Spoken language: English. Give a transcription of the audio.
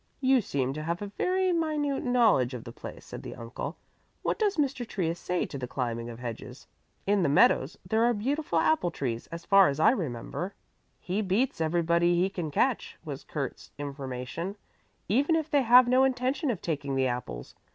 "You seem to have a very minute knowledge of the place," said the uncle. "What does Mr. Trius say to the climbing of hedges? In the meadows there are beautiful apple trees as far as I remember." "He beats everybody he can catch," was Kurt's information, "even if they have no intention of taking the apples.